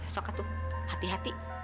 sok atuh hati hati